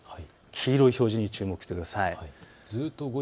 黄色い表示に注目してください。